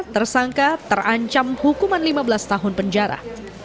tersangka terancam hukuman lima belas tahun penjara